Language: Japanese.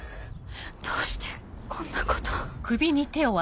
どうしてこんなことを。